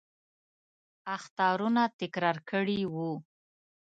اخطارونه تکرار کړي وو.